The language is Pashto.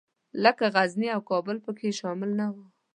کله غزني او کابل پکښې شامل نه وو.